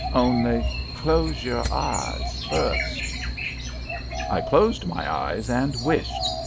Only close your eyes first." I closed my eyes and wished.